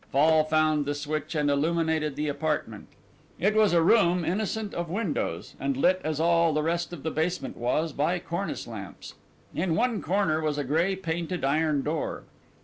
Fall found the switch and illuminated the apartment. It was a little room innocent of windows, and lit as all the rest of the basement was by cornice lamps. In one corner was a grey painted iron door.